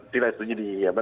tidak memungkinkan karena